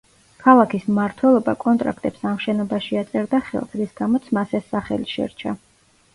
ქალაქის მმართველობა კონტრაქტებს ამ შენობაში აწერდა ხელს, რის გამოც მას ეს სახელი შერჩა.